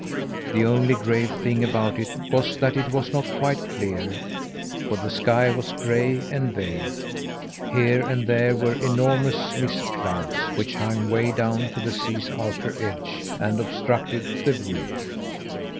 The only grave thing about it was that it was not quite clear, for the sky was gray and veiled. Here and there were enormous mist clouds which hung way down to the sea's outer edge, and obstructed the view.